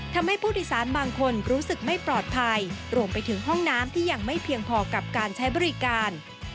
ทำให้ผู้โดยสารบางคนรู้สึกไม่ปลอดภัยรวมไปถึงห้องน้ำที่ยังไม่เพียงพอกับการใช้บริการ